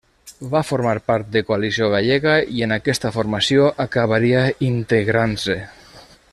Va formar part de Coalició Gallega i en aquesta formació acabaria integrant-se.